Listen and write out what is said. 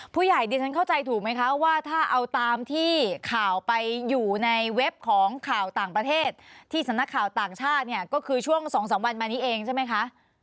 ดิฉันเข้าใจถูกไหมคะว่าถ้าเอาตามที่ข่าวไปอยู่ในเว็บของข่าวต่างประเทศที่สำนักข่าวต่างชาติเนี่ยก็คือช่วง๒๓วันมานี้เองใช่ไหมคะ